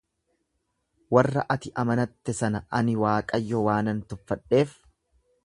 Warra ati amanatte sana, ani Waaqayyo waanan tuffadheef,